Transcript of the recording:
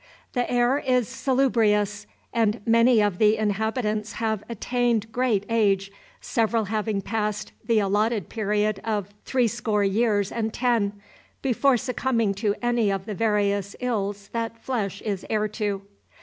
The air is salubrious, and many of the inhabitants have attained great age, several having passed the allotted period of 'three score years and ten' before succumbing to any of the various 'ills that flesh is heir to.'